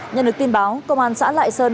nhận được tin báo công an xã lại sơn